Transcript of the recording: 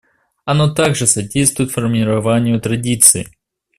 Оно также содействует формированию традиции.